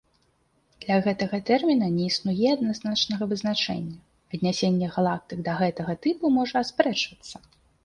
Для гэтага тэрміна не існуе адназначнага вызначэння, аднясенне галактык да гэтага тыпу можа аспрэчвацца.